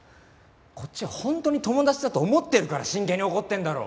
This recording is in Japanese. こっちはホントに友達だと思ってるから真剣に怒ってるんだろ。